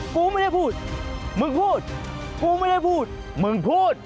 กูไม่ได้พูดมึงพูดกูไม่ได้พูดมึงพูด